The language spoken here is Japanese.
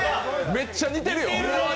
めっちゃ似てるよ。